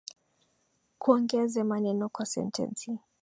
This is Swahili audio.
Kuongeze maneno kwa sentensi